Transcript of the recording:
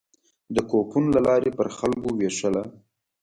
د کوپون له لارې پر خلکو وېشله.